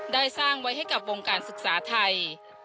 สร้างไว้ให้กับวงการศึกษาไทย